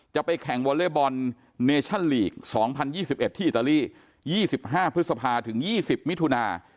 จะไปแข่งวอเล็กบอลเนชั่นลีก๒๐๒๑ที่อิตาลี๒๕พฤษภาถึง๒๐มิถุนา